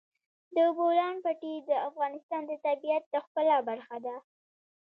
د بولان پټي د افغانستان د طبیعت د ښکلا برخه ده.